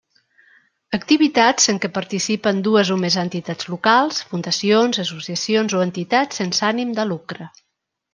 Activitats en què participen dues o més entitats locals, fundacions, associacions o entitats sense ànim de lucre.